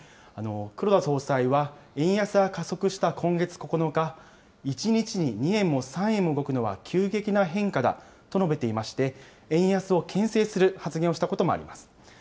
黒田総裁は、円安が加速した今月９日、１日に２円も３円も動くのは急激な変化だと述べていまして、円安をけん制する発言をしたこともあります。